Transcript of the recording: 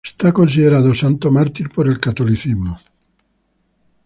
Es considerado santo mártir por el catolicismo.